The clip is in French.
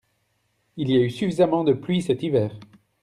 Il y a eu suffisamment de pluie cet hiver.